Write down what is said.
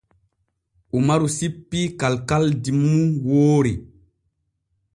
Umaru sippii kalkaldi mum woori.